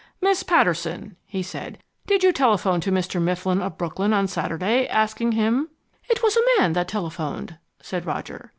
"Miss Patterson," he said, "did you telephone to Mr. Mifflin of Brooklyn on Saturday, asking him " "It was a man that telephoned," said Roger.